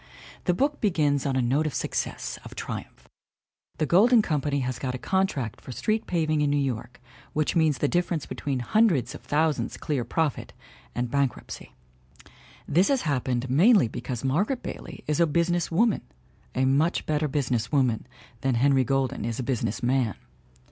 The book begins on a note of success, of triumph ; the Golden Company has got' a contract for street paving in New York which means the difference between hundreds of thou sands clear profit and bankruptcy. This has happened mainly because Margaret Bailey is a business woman a much better business woman than Henry Golden is a business man.